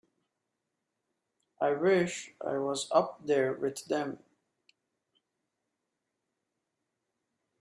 I wish I was up there with them.